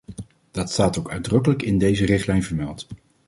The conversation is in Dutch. Dat staat ook uitdrukkelijk in deze richtlijn vermeld.